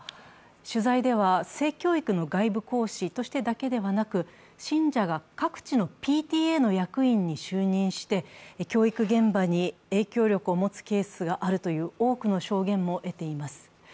取材では、性教育の外部講師としてだけでなく、信者が各地のＰＴＡの役員に就任して、教育現場に影響力を持つケースがあるという多くの証言も得ています。